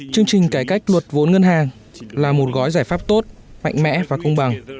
chương trình cải cách luật vốn ngân hàng là một gói giải pháp tốt mạnh mẽ và công bằng